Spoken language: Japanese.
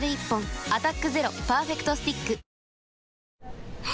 「アタックＺＥＲＯパーフェクトスティック」あ！